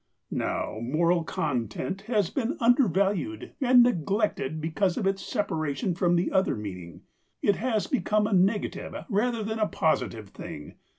Now, moral content has been undervalued and neglected because of its separation from the other meaning. It has become a negative rather than a positive thing.